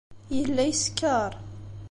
Yella yeskeṛ.